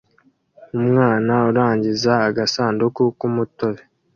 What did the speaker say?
Umwana urangiza agasanduku k'umutobe